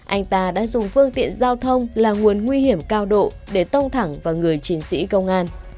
anh ta đã dùng phương tiện giao thông là nguồn nguy hiểm cao độ để tông thẳng vào người chiến sĩ công an